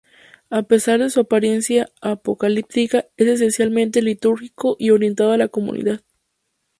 A pesar de su apariencia apocalíptica es esencialmente litúrgico y orientado a la comunidad.